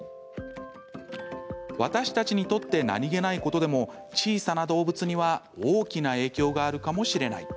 私たちにとって何気ないことでも小さな動物には大きな影響があるかもしれない。